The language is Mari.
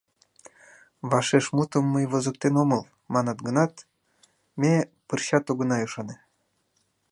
«Вашешмутым мый возыктен омыл» манат гынат, ме пырчат огына ӱшане.